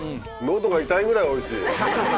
喉が痛いぐらいおいしい。